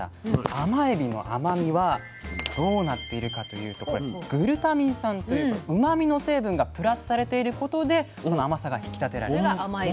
甘エビの甘みはどうなっているかというとこれグルタミン酸といううまみの成分がプラスされていることで甘さが引き立てられるんです。